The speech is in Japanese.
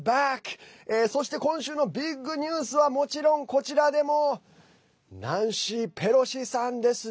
そして今週のビッグニュースはもちろん、こちらでもナンシー・ペロシさんです。